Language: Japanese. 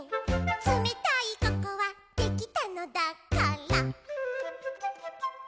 「つめたいココアできたのだから」